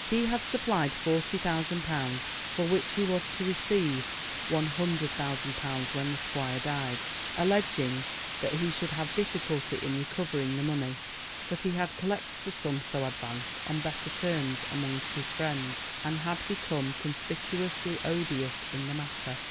He had supplied forty thousand pounds, for which he was to receive one hundred thousand pounds when the squire died, alleging that he should have difficulty in recovering the money. But he had collected the sum so advanced on better terms among his friends, and had become conspicuously odious in the matter.